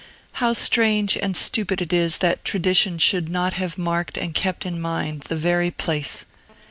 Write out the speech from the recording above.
How strange and stupid it is that tradition should not have marked and kept in mind the very place!